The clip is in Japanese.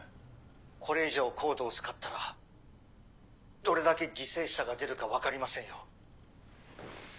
これ以上ＣＯＤＥを使ったらどれだけ犠牲者が出るか分かりませんよ。